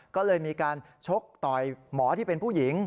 ก็เลยมีการชกต่อยหมอที่เป็นผู้หญิง